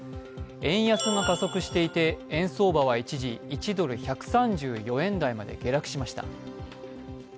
円安が加速していて円相場は一時、１ドル＝１３４円台まで下落しました。